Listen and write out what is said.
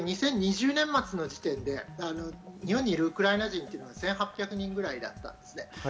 ２０２０年末の時点で日本にいるウクライナ人というのは１８００人ぐらいだったんですね。